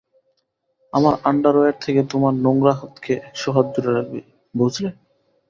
আমার আন্ডারওয়্যার থেকে তোমার নোংরা হাতকে একশ হাত দূরে রাখবে, বুঝলে?